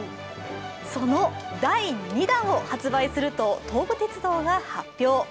その第２段を発売すると東武鉄道が発表。